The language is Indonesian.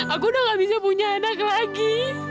aku udah gak bisa punya anak lagi